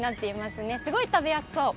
すごい食べやすそう。